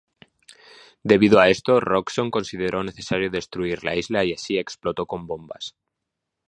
Debido a esto, Roxxon consideró necesario destruir la isla y así explotó con bombas.